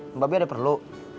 mbak be ada perlu